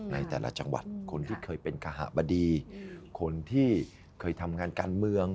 ในแต่ละจังหวัดคนที่เคยเป็นคาหบดีคนที่เคยทำงานการเมือง